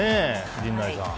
陣内さん。